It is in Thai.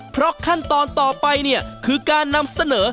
เพราะขั้นตอนต่อไปเนี่ยคือการนำเสนอ